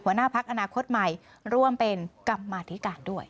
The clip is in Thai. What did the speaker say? หัวหน้าพักอนาคตใหม่ร่วมเป็นกรรมาธิการด้วย